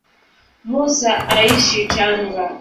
Mussa aishi Tanga